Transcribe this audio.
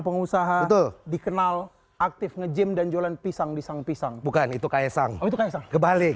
pengusaha itu dikenal aktif nge gym dan jualan pisang di sang pisang bukan itu kaya sang kebalik